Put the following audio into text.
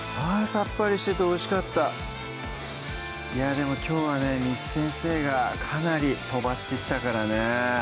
さっぱりしてておいしかったいやでもきょうはね簾先生がかなり飛ばしてきたからね